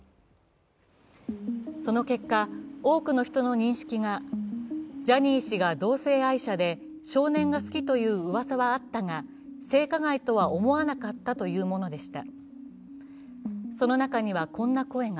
その結果、多くの人の認識が、ジャニー氏が同性愛者で少年が好きといううわさはあったが性加害とは思わなかったというものでした。